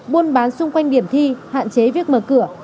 buôn bán xung quanh điểm thi hạn chế việc mở cửa